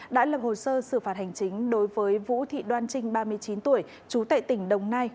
đã lập hồ sơ xử phạt hành chính đối với vũ thị đoan trinh ba mươi chín tuổi trú tại tỉnh đồng nai